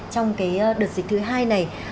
trong cái đợt dịch thứ hai này